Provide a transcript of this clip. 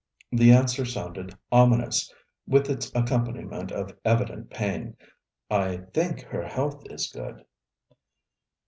The answer sounded ominous, with its accompaniment of evident pain: 'I think her health is good.'